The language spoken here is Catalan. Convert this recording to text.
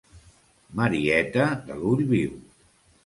Marieta de l'ull viu.